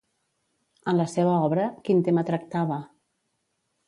En la seva obra, quin tema tractava?